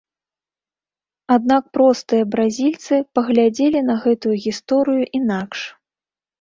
Аднак простыя бразільцы паглядзелі на гэтую гісторыю інакш.